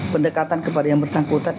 pendekatan kepada yang bersangkutan